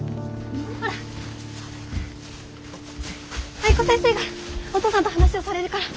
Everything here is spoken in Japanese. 藍子先生がお父さんと話をされるから。